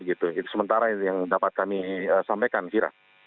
itu sementara yang dapat kami sampaikan kira